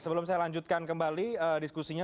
sebelum saya lanjutkan kembali diskusinya